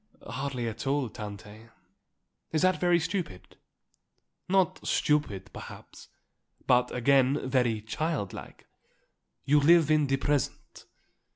"Hardly at all, Tante. Is that very stupid?" "Not stupid, perhaps; but, again, very child like. You live in the present."